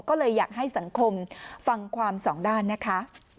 ก็เลยอยากให้สังคมฟังความสองด้านนะคะ